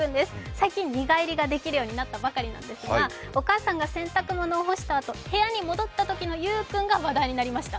最近、寝返りができるようになったばかりなんですがお母さんが洗濯物を干したあと、戻ってきたときのユウ君の姿が話題になりました。